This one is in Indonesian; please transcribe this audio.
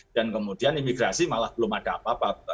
dan kemudian imigrasi malah belum ada apa apa